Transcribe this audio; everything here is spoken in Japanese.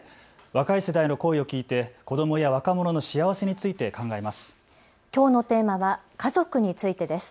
若い世代の声を聞いて子どもや若者の幸せについて考えます。